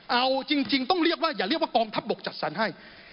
เอาจริงต้องเรียกว่าอย่าเรียกว่ากองทัพบกจัดสรรให้